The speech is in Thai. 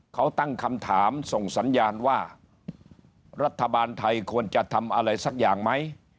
เขาตั้งคำถามส่งสัญญาณว่ารัฐบาลไทยควรจะทำอะไรสักอย่างไหม